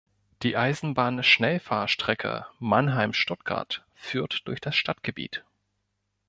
Die Eisenbahn-Schnellfahrstrecke Mannheim–Stuttgart führt durch das Stadtgebiet.